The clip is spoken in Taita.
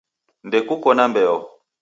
Ndekuko na mbeo